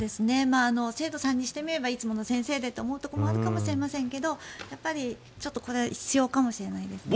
生徒さんにしてみればいつもの先生でと思うところもあるかもしれませんがちょっとこれ必要かもしれないですね。